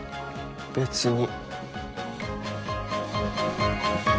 別に。